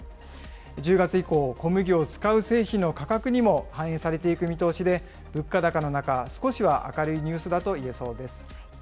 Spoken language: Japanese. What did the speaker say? １０月以降、小麦を使う製品の価格にも反映されていく見通しで、物価高の中、少しは明るいニュースだと言えそうです。